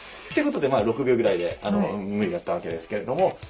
ってことで６秒ぐらいで無理だったわけですけれども。